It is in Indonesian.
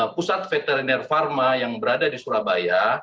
pusat veteriner pharma yang berada di surabaya